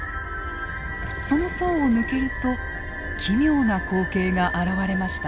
その層を抜けると奇妙な光景が現れました。